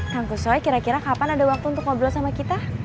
kang gus coy kira kira kapan ada waktu untuk ngobrol sama kita